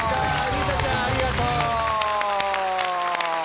りさちゃんありがとう。